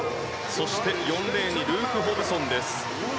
そして４レーンにルーク・ホブソン。